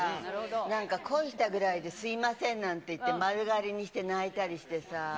なんか恋したぐらいですみませんなんて言って、丸刈りにして泣いたりしてさ。